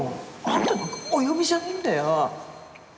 あんたなんかお呼びじゃねえんだよ！